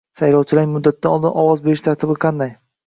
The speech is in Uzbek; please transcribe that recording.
Saylovchilarning muddatidan oldin ovoz berish tartibi qanday?